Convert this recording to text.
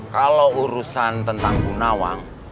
kalau urusan tentang bu nawang